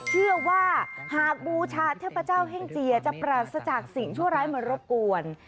เชื่อว่าหากบูชาเทพเจ้าเฮ่งเจียจะปราศจากสิ่งชั่วร้ายมารบกวน